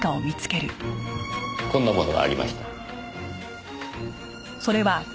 こんなものがありました。